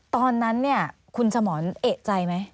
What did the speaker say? ตอนนั้นเนี่ยคุณสมรเอกใจไหม